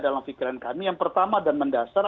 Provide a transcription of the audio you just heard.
dalam pikiran kami yang pertama dan mendasar